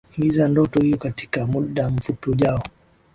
imiza ndoto hiyo katika muda mfupi ujao